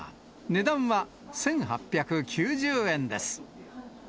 値段は１８９０円です。